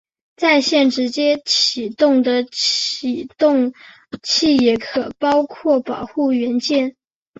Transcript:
在线直接起动的启动器也可以包括保护元件。